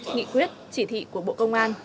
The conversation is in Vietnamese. nghị quyết chỉ thị của bộ công an